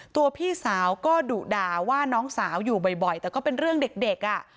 พี่สาวก็ดุด่าว่าน้องสาวอยู่บ่อยแต่ก็เป็นเรื่องเด็กอ่ะ